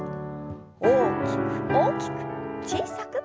大きく大きく小さく。